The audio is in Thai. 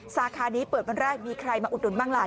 สาขานี้เปิดวันแรกมีใครมาอุดหนุนบ้างล่ะ